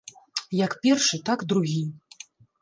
Як першы, так другі.